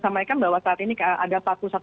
sampaikan bahwa saat ini ada empat puluh satu